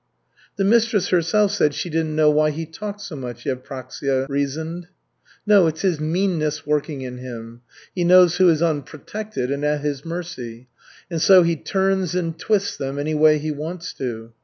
"The mistress herself said she didn't know why he talked so much," Yevpraksia reasoned. "No, it's his meanness working in him. He knows who is unprotected and at his mercy. And so he turns and twists them anyway he wants to."